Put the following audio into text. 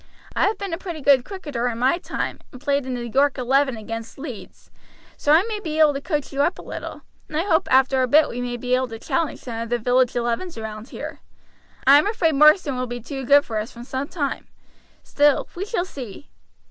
I have been a pretty good cricketer in my time, and played in the York Eleven against Leeds, so I may be able to coach you up a little, and I hope after a bit we may be able to challenge some of the village elevens round here. I am afraid Marsden will be too good for us for some time; still, we shall see."